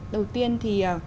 đầu tiên thì